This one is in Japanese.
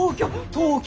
東京！